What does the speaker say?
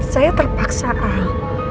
saya terpaksa al